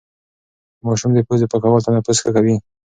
د ماشوم د پوزې پاکول تنفس ښه کوي.